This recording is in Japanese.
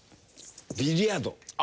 ビリヤード。